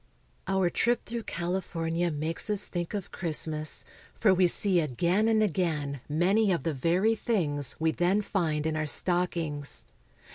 Our trip through California makes us think of Christ mas, for w^e see again and again many of the very things we then find in our stockings.